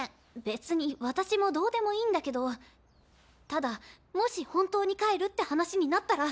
別に私もどうでもいいんだけどただもし本当に帰るって話になったら。